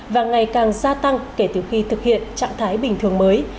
và ngày càng gia tăng kể từ khi thực hiện trạng thái bình thường mới